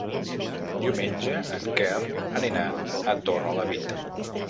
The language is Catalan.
Diumenge en Quer anirà a Torrelavit.